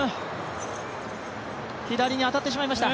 左に当たってしまいました。